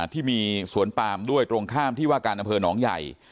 ที่มีสวนปามด้วยตรงข้ามที่ว่าการอำเภอหนองใหญ่